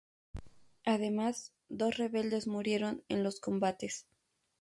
Además, dos rebeldes murieron en los combates.